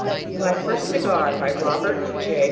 MY FIRST CIGAR BY ROBERT J.